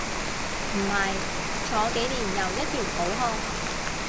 唔係，坐幾年又一條好漢